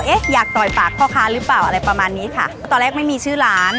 อยากต่อยปากพ่อค้าหรือเปล่าอะไรประมาณนี้ค่ะตอนแรกไม่มีชื่อร้าน